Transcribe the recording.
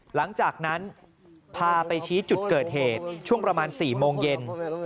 หลังจากนั้นพาไปชี้จุดเกิดเหตุช่วงประมาณ๔โมงเย็น